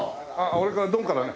俺からドンからね。